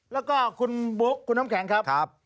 แล้วก็คุณบุ๊คคุณน้ำแข็งครับ